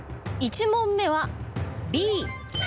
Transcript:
１問目は。